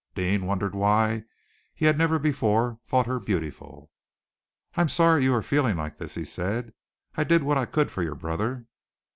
Deane wondered why he had never before thought her beautiful! "I am sorry you are feeling like this," he said. "I did what I could for your brother."